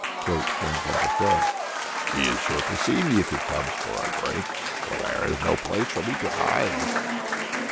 croaked Grandfather Frog. "He is sure to see me if he comes for a drink, for there is no place for me to hide."